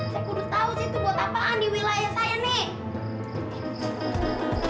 saya kudu tahu sih itu buat apaan di wilayah saya nih